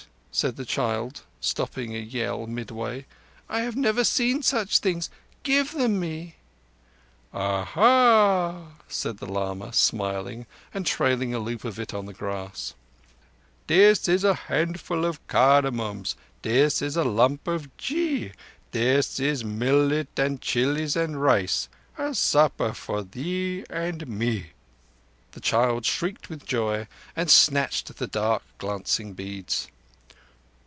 said the child, stopping a yell midway. "I have never seen such things. Give them me." "Aha." said the lama, smiling, and trailing a loop of it on the grass: This is a handful of cardamoms, This is a lump of ghi: This is millet and chillies and rice, A supper for thee and me! The child shrieked with joy, and snatched at the dark, glancing beads.